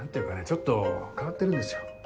ちょっと変わってるんですよ。